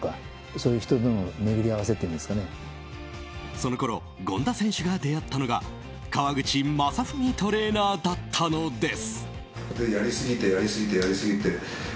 そのころ権田選手が出会ったのが河口正史トレーナーだったのです。